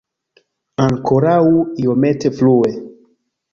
Ankoraŭ iomete frue.